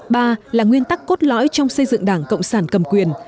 ba là nguyên tắc cốt lõi trong xây dựng đảng cộng sản cầm quyền